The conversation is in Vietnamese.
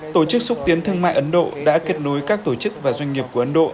tổ chức xúc tiến thương mại ấn độ đã kết nối các tổ chức và doanh nghiệp của ấn độ